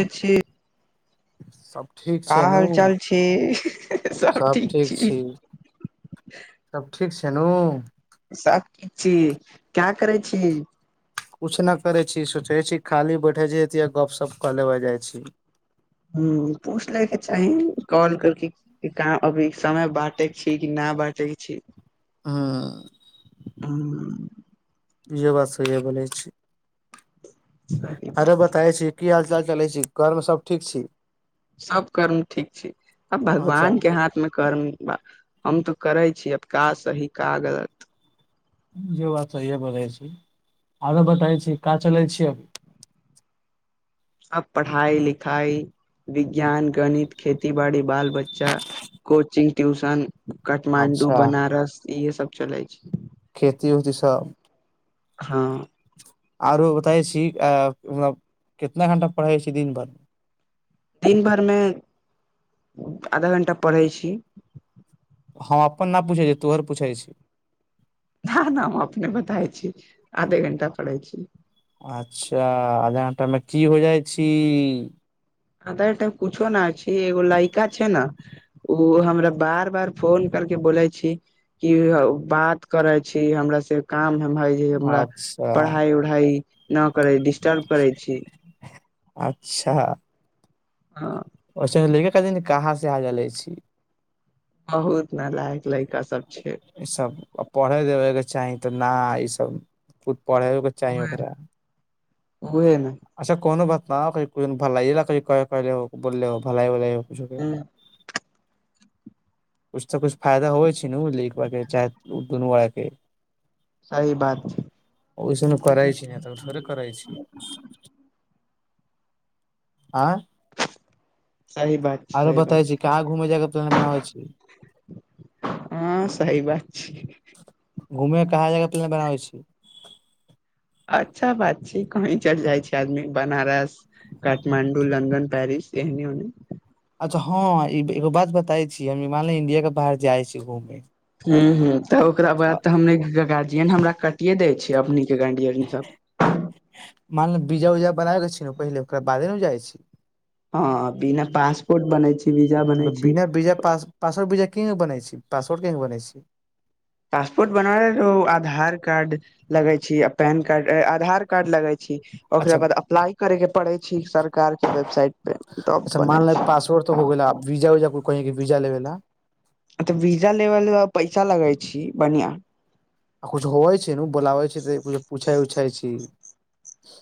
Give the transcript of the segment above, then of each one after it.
ए छी। सभ ठीक का छै नू हाल चाल छी सभ ठीक छी। सभ ठीक छैनू। सभ ठीक छी क्या करै छी। कुछ नहि करै छी सोचै छी खाली बैठे छी गपशप क लेबे जाइ छी। हू पूछ लऽ कऽ चाहे कॉल करके। कि कम अभी समय बाटे के छी कि नहि बाते के छी। हा हूँ, ईहो बात सही बोलै छी। सही बात अरे बताय छी कि हाल चाल चलै छी घरमे सभ ठीक छी। सभ कर्म ठीक छी आब अच्छा भगवान के हाथ मे कर्म बा। हम तऽ करै छीय आब कऽ सही कऽ गलत। ईहो बात सही बताई छी आगे बताई छी कऽ चलै छी। आब पढ़ाई लिखाई विज्ञान गणित खेती बाड़ी बाल बच्चा। कोचिंग ट्यूशन काठमाण्डू अच्छा बनारस इहे सभ चलै छैय। खेती उती सभ हा आरो बताई छी मतलब कितना घंटा पढ़ै छी दिन भर मे दिन भरि मे आधा घण्टा पढ़ै छी। हम अपन नै पूछै छीयो तोहर पूछैत छीयो। हा ना हम अपने बताई छी आधे घंटा पढ़ै छी। अच्छा आधा घंटा मे कि हो जाई छी। किुछो नहि छै एगो लइका छै ने ओ हमरा बार बार फोन करके बोले छी। कि य बात करै छी हमरा से काम हे हमरा अच्छा पढ़ाई भई नै करै डिस्टर्ब करै छी अच्छा। हा दिन कहा से आ गेलले छी बहुत नालायक लैका सभ छै। ईसभ आ पढ़य देबै के चाही तऽ नहि ई सभ। खुद पढ़ै कऽ चाही ओ उहे ख। ने उहे ने अच्छा कोनो बात नइ भला कूछ ह तऽ कुछ फायदा हो छै ने बुझल। के चाहे उ दुनू के। सही बात छै ओहिसन कराय छी नहि तऽ थोड़े करइ छी। आ सही बात छै आरो सही बात बताै छी छै कहाँ घुमै जाय के प्लान बनाबै छी। ह सही बात छै। घूमे कऽ कहाँ जगह प्लेन बनाबै छी। अच्छा बात छै कही चलि जाई छै आदमी बनारस। काठमाण्डू लंन्दन पेरिस यहनी होने। अच्छा हँ एगो बात बताय छी हमालय इंडिया के बाहर जाइ छी घूमे। ह तऽ ओकरा बाद तऽ हम गार्जियन हमरा कटिये दय छै अपनी के गार्जियन सभ। मान बीजा उजा बना के छै ने पहिले ओकरा बादे नै जाई छै। ह बिना पासपोर्ट बनै छै वीजा बनै छै। बीजा पा पास वर्ड बिजा केबनै छै पासवर्ड के बने छै पासपोर्ट बनबै रहे आधार कार्ड। लगै छी पैन कार्ड आधार कार्ड लगै छी। अच्छा ओकरा बाद अप्लाइ करैके पड़ै छै सरकार के वेबसाइट पे तब अच्छा मान बने ल छै। पासवर्ड हो गेल वीजा उजा कही वीजा लेबा। तऽ वीजा लेब लऽ पैसा लगे छी बढ़िया। आ कु होवे छै ने बोलाबै छै तऽ कुछु पूछै उछा छै।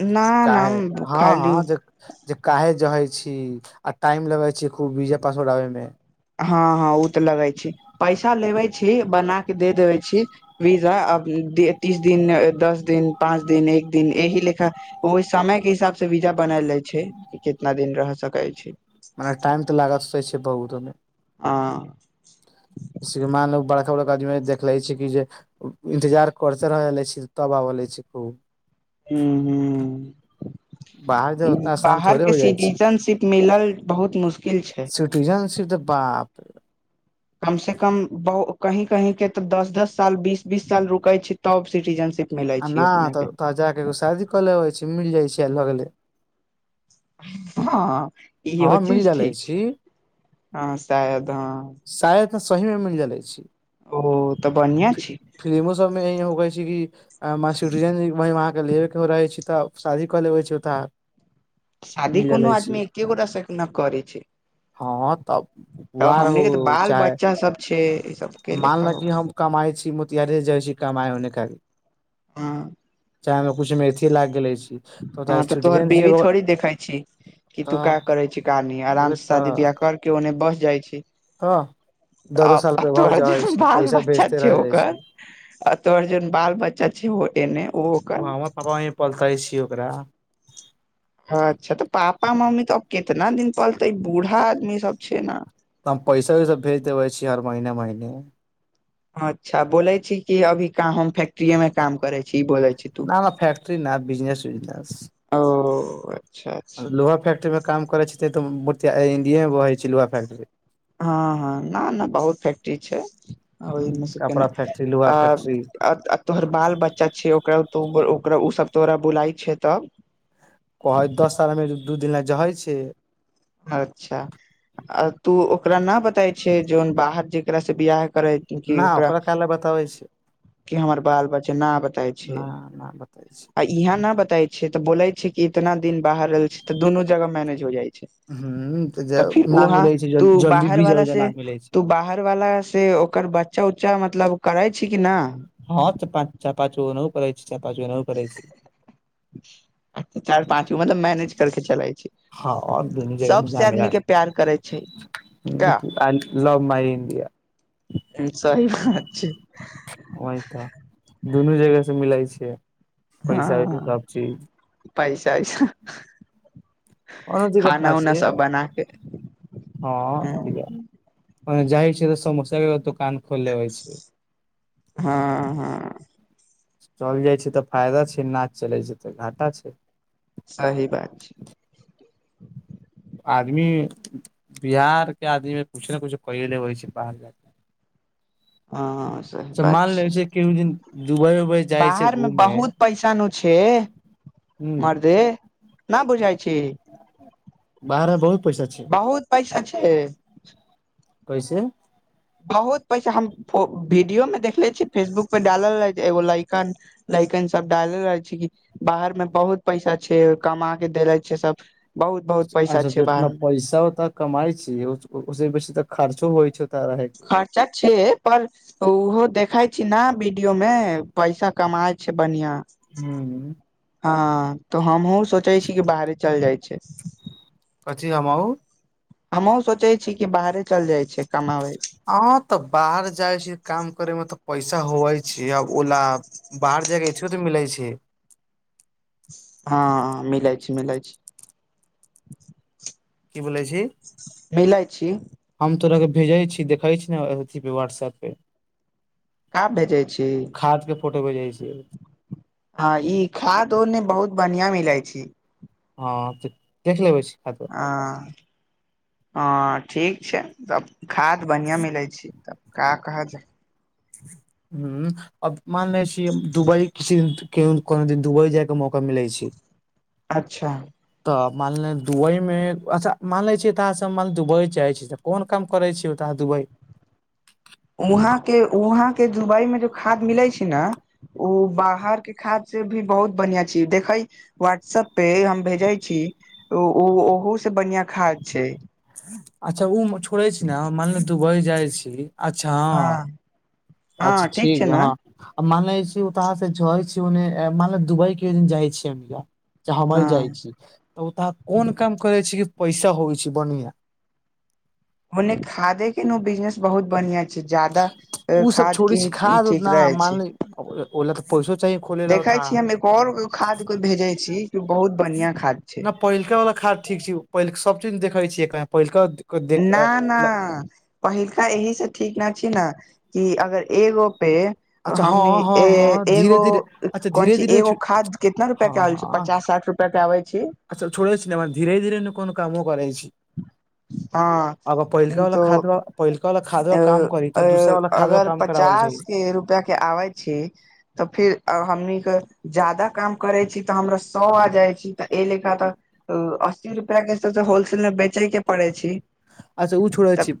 न कऽ न हँ हँ खाली ज। जे काहे जहे छी आ टाइम लगे छी खूब वीजे पास आबय मे। हँ ओ तऽ लगे छै पैसा लेबे छी बना के दे देबे छी। वीजा अब तीस दिन दस दिन पाँच दिन एक दिन अहि लेखा ओ समय के हिसाब से वीजा बनाल जाई छै कि कितना दिन रह सकैत छै। टाइम तऽ लागत छै बहुत। आ। मानल बड़का बड़का आदमी देख ले छै कि जे। इन्तजार करते रहे छी तब आब ले छी खूब। हू बाहर जे उतना आसान बाहर थोड़े के हो जाइ छी सिटिजनशिप मिलऽ बहुत मुश्किल छै। सिटिजनशिप ते बाप। कम से कम कही कही के तऽ दस दस साल बीस बीस साल रुकै छै तब सिटीजनशिप। मिलै आ छी नहि अपने तऽ के तोहरा जा केऽगो शादी कऽ ले अबै छी मिल जाइ छी आ लगले। ह इहो हँ मिल चीज जलै ठीक छी छै हँ शायद हँ। सहीमे मिल जे छै। ओ तऽ बढिया छै। फिल्मो सभ मे यह हो छै कि सिटिजन अगर लेबे के रहे छै तऽ शादी कऽ लेबै छै ओतऽ। शादी मिल कोनो जलै छी आदमी एके गोटा सँ नै करे छै। ह तब तऽ हमनी के तऽ हुर बाल चाहे बच्चा सब छै ई सब के मान लेखा लऽ हो कऽ हम। कमाई छी मे तऽ यध जाई छी कमाई होने खी। ह चाहे मे कुछ मेथी लागि गेले छी। हँ तऽ तोहर सिटीजन बीबी तऽ थोड़ी देखई छी कि तू कऽ करै छी। कारनी आराम उहे से तऽ शादी बिआह कर के ओन्ने बस जाइ छै। तऽ दस दस साल पे घर थोड़ जै जे छी बाल पैसा बच्चा भेजते रह छै जाइ होकर। छी आ तोहर जेन बाल बच्चा छै एने ओ। ओकर वह तापा मे पलता छिय ओकरा। अच्छा तऽ पापा मम्मी तऽ कितना दिन पलतै बूढ़ा आदमी सभ छै ने। तऽ हम पैसा उस भेज देबे छियै हर महीने महीने। अच्छा बोले छी कि अभी हम फैक्ट्रए मे काम करे छी। बोले छी तू नै फैटरी नहि बिजनेस उजनेस। ओ। अच्छा अच्छा लोहा फैक्ट्रीमे काम करै छथिन तऽ मर इंडियए मे बहै छै लोहा फैक्ट्री। हँ हँ नै नहि बहुत फैक्ट्री छै ओहि मे से कपड़ा केलहु फैक्ट्री लोहा फैक्ट्री आ। तोहर बाल बच्चा छै ओकराकरा ओ सभ तोहरा बुलाई छै तऽ। कहै दस सालमे दू दिन लऽ जहै छै। अच्छा। आ तू ओकरा नै बताय छै जेन बाहर जेकरास से बियाह करे। नै ओकरा काल लऽ बताबै छी। कऽ हमर बाल बच्चा नै बताय छै। न न बताबै छै यहाँ नै बताे छै तऽ बोले छै कि इतना दिन बाहर रहल छै तऽ दुनू जगह मैनेज हो जाई छै। हँ। तऽ फिर वहाँ तू बाहर वाला से न मिलै छै तू बाहर वा स ओकर बच्चा उच्चा मतलब करे छी कि न। हँ चाचा पाचू नै करै छै पाचू नै करै छै। चारि पाँच गो मतलब मैनेज कर के चलै छै। हँ और दुनू जगह सभसँ मिला मिला आदमी के प्यार करै छै। का लव मइ इंडिया। सही बात छै। वाह तऽ दुनू जगह से मिलैत छियै। ह पैसा वैसा। कोनो दिक्कत खाना नहि उना छै सब बना के ह हँ त। जाहिर छै तऽ समस्य के तऽ कान खो होई छै। हँ चलि जाई छै तऽ फायदा छै नाच चलै छै तऽ घाटा छै। सही बात छै। आदमी बिहार के आदमी मे कुछ ने कुछ कै ले हो छै बाहर जा। ह। सही अच्छा बात मान लेबै छै केहु दिन दुबई उबई जाइ छै बाहरमे घूमे बहुत पैसा नै छै। हूँ मरदे नहि बुझाई छी। बाहर बहुत पैसा छै। बहुत पैसा छै। कैसे बहुत पैसा हम वीडियो मे देखले छियै फेसबुक पे डालल रहै एगो लाइकन। लय्कन सभ डालले रहै छै कि बाहर मे बहुत पैसा छै कमा के धे छै सभ अच्छा जितना पैसा उतना। कमाई छी ओस बेसी तऽ खर्चो होई छै ओत रहैके। साच छै पर। ओहो देखै छी ने वीडियो मे पैसा कमाय छै बढ़आ। हू। ह तऽ हमहुँ सोचैय छी कि बाहरे चल जाई छी कथी हमहू हमहूँ सोचैय छी कि बाहरे चल जाइ छी, कमाबै छी। हॅं तॅं बाहर जाइ छी काम करे मे तॅं पैसा होवै छै आब ओला बाहर जायके [unintelligible] तॅं मिलैत छी हँ, मिलैत छै, मिलैत छै। की बोलै छी? मिलै छी। हम तोराकेँ भेजै छी, देखै छी ने एगो चीज व्हाट्सऐप पे का भेजै छी खादके फोटे भेजै छियौ। हँ, ई खाद ओने बहुत बढ़िया मिलै छै। हँ, तॅं देखि लेबै छी खाद- हँ, हँ ठीक छै, तब खाद बढ़ियाॅं मिलै छै। तब का कहऽ जाइ? हँ, अब मान लै छी दुबई किसी [unintelligible] केहूँ कह देबै, दुबई जाइकेॅं मौका मिलै छै। अच्छा। तॅं मानले दुबईमे, अच्छा मान लै छी तँ अहाँ सभमे दुबई जाइ छी तँ कोन काम करै छियै ओतय दुबइमे? वहाॅंकेॅं, वहाॅंकेँ दुुबईमे जो खाद मिलै छै ने- ओ बाहर वके खादसे भी बहुत बढ़ियाॅं छै देखैय - व्हाट्सएप पे हम भेजै छी ओ ओहोसे बढ़ियाॅं खाद छै। अच्छा ओमे होइ छोड़े छी ने मानलू दुबई जाइ छी अच्छा हँ, अच्छा हँ ठीक छै बा ने हँ आ मने छै [unintelligible] ओ त से झ छीने मान दुबई क दिन जाइ छी य तॅं हमही हँ जाइ छी तॅं ओतऽ कोन काम करै छी की पैसा होइ छै बढ़ियाॅं? [inaudible] ओने खादेके ने बिजनेस बहुत बढ़ियाॅं छै ज्यादा उ सब छोड़ी खादके छै हीं खाद उद ठीक न रहै छै। मानले ओला तऽ पैसो चाही खोले ला देखै ओता छी हम एक और खादके भेजै छी, बहुत बढ़ियाॅं खाद छै। नहि पहिलका वला खाद ठीक छै, पहिलका सभ चीज देखै छियै न पहिलका- देख ना, ना पहिलका एहिसे ठीक ना छी ना कि अगर एगो पे अच्छा हम हँ हँ ए हँ धीरे एगो धीरे अच्छा कोन धीरे ची धीरे एगो खाद कितना रुपआ के हँ आबै छै? हँ पचास साठ रूपआ कऽ कऽ आबै छी। अच्छा छोड़ै छ ने धीरे-धीरे कोनो काम करै छी हँ आब पहिलका वला तो खादवा- पहिलका वला खाद काम करी तब दूसरा वला खाद अगर काम कराबल जाइ पचास [unintelligible] आबै छी तॅं फेर हमनीके जादा काम करै छी तँ हमरा सए आ जाइ छी तँ एहि लेखा तऽ अस्सी रुपैआके तॅं होलसेलमे बेचैकेँ पड़ै छै। अच्छा ओ छोड़ै छी,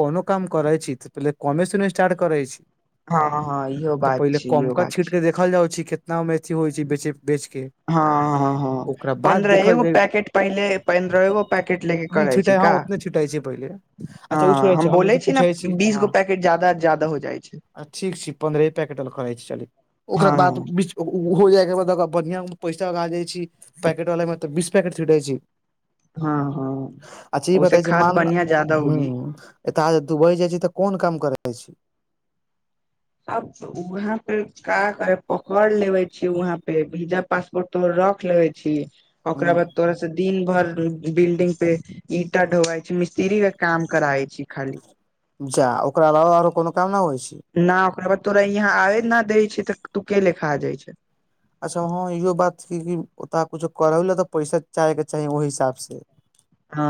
कोनो काम करै छी तऽतॅं पहिले कमे से ने स्टार्ट करै छी! हँ, हँ इहो तऽ बात पहिले छै, इहो कमका बात छीट छै। के देखल जाइत छै कितनामे अथी होइ छै बेच, बेच के? हँ, हँ हँ हँ। ओकरा बाद देखल पन्द्रहेगो जाइ पैकेट पहिले पन्द्रहेगो पैकेट लेके करै छी, छिटै का? हँ उतने छिटै छै पहिले अच्छा ओ हँ छोड़ै हम छै बोलै जे छी ने पूछै हँ बीसगो पैकेट जादा ज्यादा हो जाइ छै। ठीक छै पन्द्रहे पैकेट वाला करे छी चलु ओकरा बाद हँ हो जाय के बाद बढ़िया पैसा लगा जाइ छै पैकेट वाला मे तऽ बीस पैकेट छिट जाई छै ह ह बताै छी मान हु दुबई जाइ छी तऽ कोन काम कर छी। अब वहा बेचकर कऽ करे पकड़ लेबे छी वहा पे भीजा पासपोर्ट तो रख ले। छै ओकरा बाद हूँ तोरा। दिन भर बिल्डिंग पे ईटा ढोवई छै मिस्त्री के काम कराे छी खाली। जा ओकरा अलावा आरो कोनो काम नहि होई छै। नै ओकरा बाद तोरा यहाँ आबे नै देय छै नै तू के लेखा जाय छैय। अच्छा इहो बात छै ओता कुछो करै लऽ तऽ पैसा चाहेके चाही ओहि हिसाब से। ह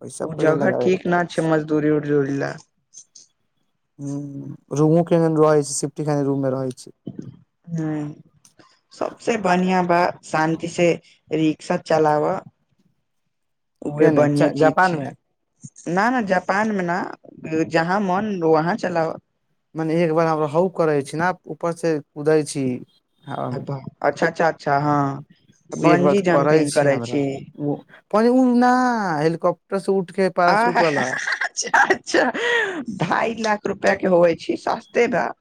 पैसा ओ पहिले जगह लगाबे के ठीक नै पड़ै छै मजदूरी उजर लए। हु रूमो केन रहे छै सिफटी रूम मे रहे छै। हू। सभसे आ बढ़िया बाह शान्ति से रिक्शा चलाव। ओही केने बढ़या चीज जापान छै। मे नै नै जापान मे ना जहाँ मन वहाँ चलाव। मने एक बार हम हउ करै छी नै ऊपर से कूदै छी ह। अच्छा अच्छा अच्छा ह बजी जम्पिंग करै छी। मो। प उठ नै हेलिकॉप्टर से उठके। ह अच्छा ढाई लाख रुपया के होवई छै सस्ते दाम।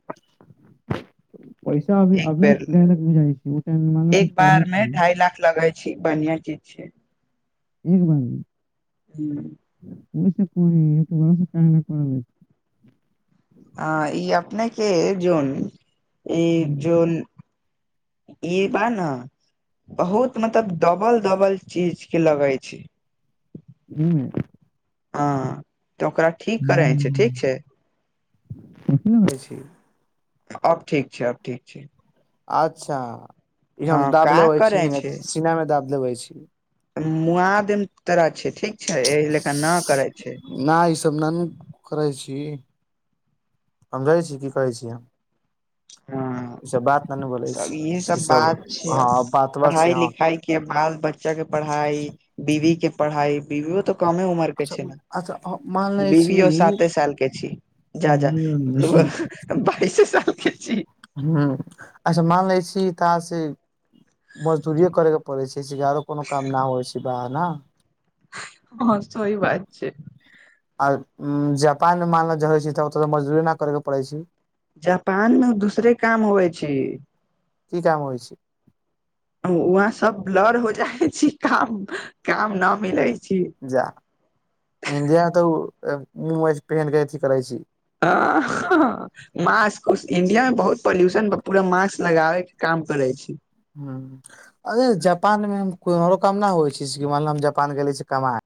पैसा अभी [inaudible] एक अभी बेर डायलग बुझाइ छै ओ टाइम मे मान लो कुछ एक करै बार मे छी ढाई लाख लगाई। छै बढ़िआ चीज छै। ठीक बनल हू। ओस कोत बरस कऽ कर लै छै। आ ई अपने के जान ई जन। ई बा ने। बहुत मतलब डबल दडब चीज के लगे छै हू। ह तऽ ओकरा। ठीक करै छै ठीक छै हु किछ होई छी। अब ठीक छै अब ठीक छै अच्छा इ हँ हम दाब का लेबे छी करै सीना दाब लेबे छी मुआदम तरह छै ठीक छै एहि लेकर नै करै छै। ना ई सभ नहि ने करै छी हम रहेइ छी कि कहै छी हम। हँ ई सब बात न ने बोलै त छी इहे ई सभ सब बात छै हँ बातबा छै पढ़ाई हँ लिखाई। क बाल बच्चा के पढ़ाई बीवी के पढ़ाई बीवी तो कमे उमर। कम उमर के अच्छा अच्छा मान छैय लै छी बिवी साते साल के छी जा। ह बइसे साल के छी। हु अच्छा मान ले छी तऽ से। मजदूरी करै के पड़ै छैय आरो कोनो काम नै होई छै बाहर ना। ह सही बात छै। आर जापान मानल जे होई छै तऽ ओतऽ तऽ मजदूरी नहि करैके पड़ै छै जापान मे दूसरे काम होई छै कि काम होई छै वहाँ सभ ब्लर हो जाइ छी काम, काम नै मिलै छी जा इंडिया मे तऽ ओ मुह पहिन के अथी करे छी। आ हँ। मास्क इंडिया मे बहुत पोल्यूशन पूरा मास्क लगाबे के काम करे छै। अरे जापान मे कोनोर काम नहि होई छै मान हम जापान गेले छी कमा।